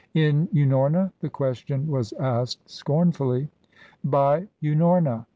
"In Unorna?" the question was asked scornfully. "By Unorna."